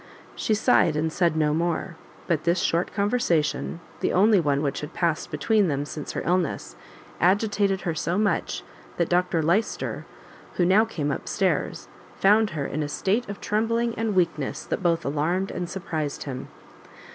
She sighed, and said no more; but this short conversation, the only one which had passed between them since her illness, agitated her so much, that Dr Lyster, who now came up stairs, found her in a state of trembling and weakness that both alarmed and surprised him.